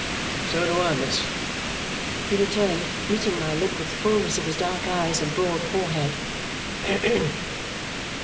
"So do I, miss!" he returned, meeting my look with the fullness of his dark eyes and broad forehead.